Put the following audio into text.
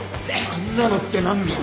あんなのって何だよ！